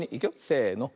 せの。